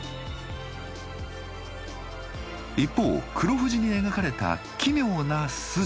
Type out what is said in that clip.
一方黒富士に描かれた奇妙な筋。